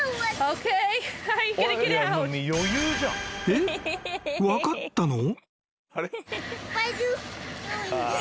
［えっ？分かったの？］